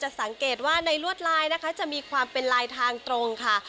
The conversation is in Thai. สังเกตว่าในลวดลายนะคะจะมีความเป็นลายทางตรงค่ะ